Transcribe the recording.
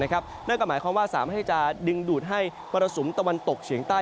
นั่นก็หมายความว่าสามารถที่จะดึงดูดให้มรสุมตะวันตกเฉียงใต้